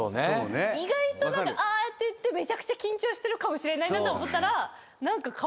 意外とああやって言ってめちゃくちゃ緊張してるかもしれないなと思ったら何かかわいらしく思えてくる。